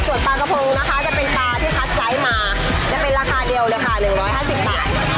ส่วนปลากระพงนะคะจะเป็นปลาที่คัดไซส์มาจะเป็นราคาเดียวเลยค่ะ๑๕๐บาท